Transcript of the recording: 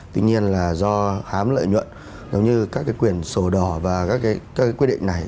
tuy nhiên là do hám lợi nhuận giống như các cái quyền sổ đỏ và các quyết định này